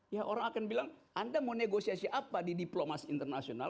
ya orang akan bilang anda mau negosiasi apa di diplomasi internasional